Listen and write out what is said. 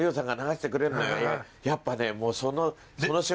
やっぱね。